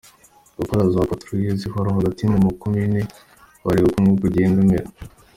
– Gukora za patrouilles zihoraho hagati mu makomini bareba uko umwuka ugenda umera.